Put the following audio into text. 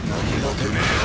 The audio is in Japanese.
てめえは！